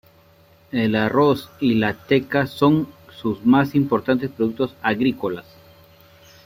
El arroz y la teca son sus más importantes productos agrícolas.